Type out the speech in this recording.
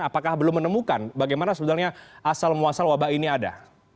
apakah belum menemukan bagaimana sebenarnya asal muasal wabah ini ada